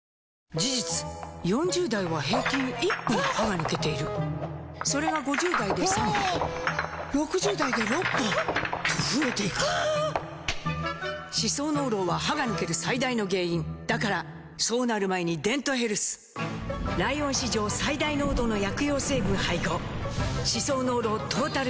事実４０代は平均１本歯が抜けているそれが５０代で３本６０代で６本と増えていく歯槽膿漏は歯が抜ける最大の原因だからそうなる前に「デントヘルス」ライオン史上最大濃度の薬用成分配合歯槽膿漏トータルケア！